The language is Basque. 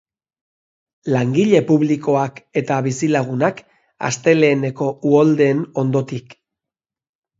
Langile publikoak eta bizilagunak asteleheneko uholdeen ondotik.